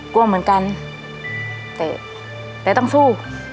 กล้องเหมือนกันแล้วต้องช่วย